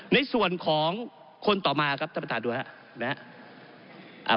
ในส่วนของคนต่อมาครับท่านประธานดูครับ